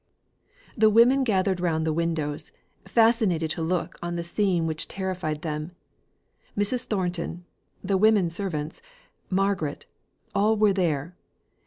The women gathered round the windows, fascinated to look on the scene which terrified them. Mrs. Thornton, the women servants, Margaret, all were there.